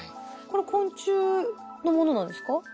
これ昆虫のものなんですか？